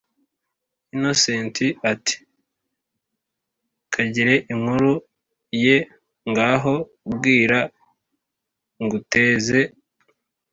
innocent ati”kagire inkuru ye ngaho bwira nguteze